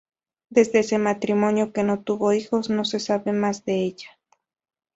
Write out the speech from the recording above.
Desde ese matrimonio, que no tuvo hijos, no se sabe más de ella.